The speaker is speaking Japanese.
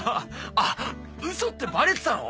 あウソってバレてたの？